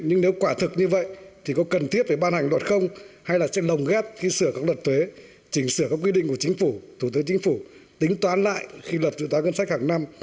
nhưng nếu quả thực như vậy thì có cần thiết phải ban hành luật không hay là sẽ lồng ghép khi sửa các luật thuế chỉnh sửa các quy định của chính phủ thủ tướng chính phủ tính toán lại khi luật dự toán ngân sách hàng năm